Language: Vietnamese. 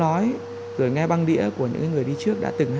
ai đứng như bóng đường tầm dài bay trong con